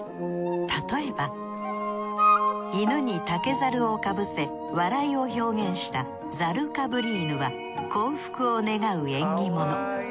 例えば犬に竹ざるをかぶせ笑いを表現した笊かぶり犬は幸福を願う縁起物。